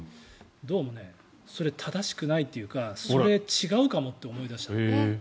どうもそれ、正しくないっていうかそれ、違うかもって思いだした。